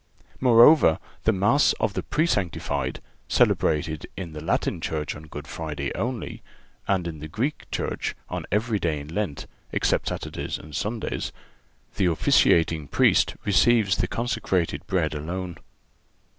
Moreover, the Mass of the Presanctified, celebrated in the Latin church on Good Friday only, and in the Greek church on every day in Lent, except Saturdays and Sundays, the officiating Priest receives the consecrated Bread alone.